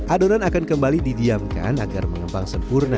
adonan akan kembali didiamkan agar mengembang sempurna